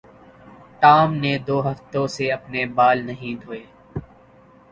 Tom نے دو ہفتوں سے اپنے بال نہیں دھوئے